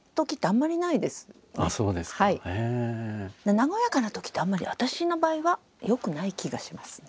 和やかなときってあまり私の場合は良くない気がしますね。